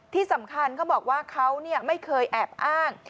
ที่สำคัญเขาบอกว่าเขาไม่เคยแอบอ้าง